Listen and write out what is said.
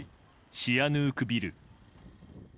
シアヌークビル。